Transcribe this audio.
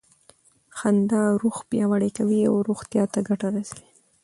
خندا روح پیاوړی کوي او روغتیا ته ګټه رسوي.